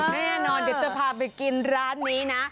แน่นอนเดี๋ยวจะพาไปกินร้านนี้นะ